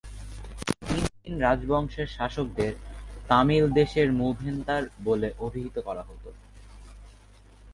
তিন তিন রাজবংশের শাসকদের "তামিল দেশের মু-ভেন্তার" বলে অভিহিত করা হত।